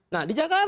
nah di jakarta